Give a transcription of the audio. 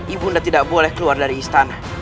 ibu undamu tidak boleh keluar dari istana